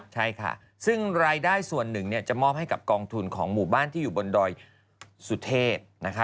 ใช่ค่ะซึ่งรายได้ส่วนหนึ่งจะมอบให้กับกองทุนของหมู่บ้านที่อยู่บนดอยสุเทพนะคะ